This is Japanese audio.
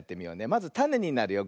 まずたねになるよ。